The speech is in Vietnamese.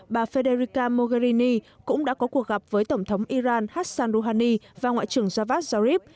bà federica mogherini cũng đã có cuộc gặp với tổng thống iran hassan rouhani và ngoại trưởng javad zarif